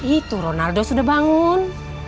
itu ronaldo sudah bangun